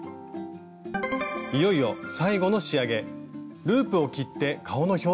いよいよ最後の仕上げ。